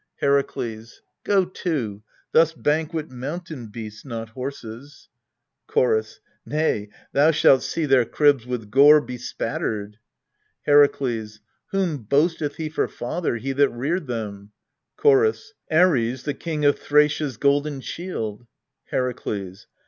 Herakles. Go to thus banquet mountain beasts, not horses. Chorus. Nay, thou shalt see their cribs with gore be spattered. Herakles. Whom boasteth he for father, he that reared them ? Chorus. Ares, the king of Thracia's golden shield. Herakles.